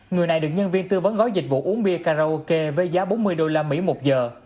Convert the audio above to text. người này được nhân viên tư vấn gói dịch vụ uống bia karaoke với giá bốn mươi usd một giờ